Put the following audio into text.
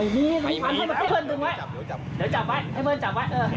ให้เมินจับไว้จับแผนมา